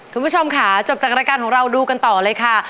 คุณผู้ชมค่ะจบจากรายการของเราดูกันต่อเลยค่ะ